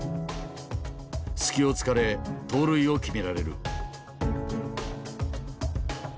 隙をつかれ盗塁を決められる。